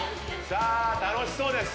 さあ楽しそうです。